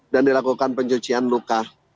dan dilakukan pencucian luka